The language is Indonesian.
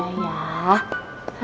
opa tenang aja ya